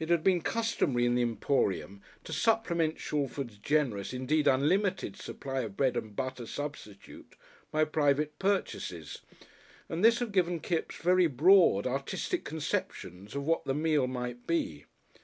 It had been customary in the Emporium to supplement Shalford's generous, indeed unlimited, supply of bread and butter substitute, by private purchases, and this had given Kipps very broad, artistic conceptions of what the meal might be.